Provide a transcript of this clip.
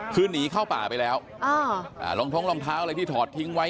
คือหนีเข้าป่าไปแล้วรองท้องรองเท้าอะไรที่ถอดทิ้งไว้